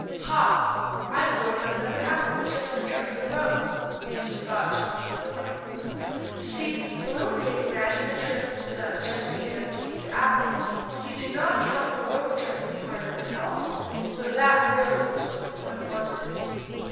"Ha! I am going to have another apple, just for jumping a rope," thought Squinty, in delight. You see the little pig imagined the trick was done just to get him to eat the apple. He did not count the rope jumping part of it at all, though that, really, was what the boy wanted.